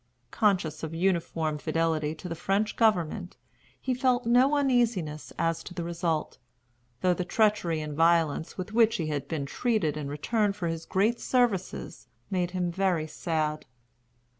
Conscious of uniform fidelity to the French government, he felt no uneasiness as to the result, though the treachery and violence with which he had been treated in return for his great services made him very sad.